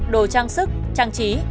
đồ trang sức trang trí